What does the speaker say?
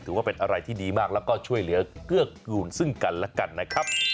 ถือว่าเป็นอะไรที่ดีมากแล้วก็ช่วยเหลือเกื้อกูลซึ่งกันและกันนะครับ